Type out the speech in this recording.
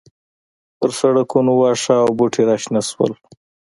پر سړکونو واښه او بوټي راشنه شول